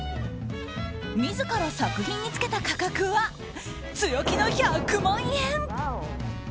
自ら作品につけた価格は強気の１００万円！